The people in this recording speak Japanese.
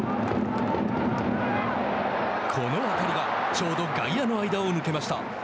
この当たりがちょうど外野の間を抜けました。